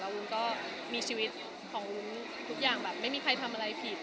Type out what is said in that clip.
วุ้นก็มีชีวิตของวุ้นทุกอย่างแบบไม่มีใครทำอะไรผิด